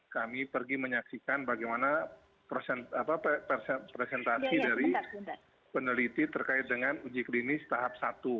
kami pergi menyaksikan bagaimana presentasi dari peneliti terkait dengan uji klinis tahap satu